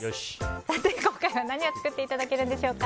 さて、今回は何を作っていただけるんでしょうか？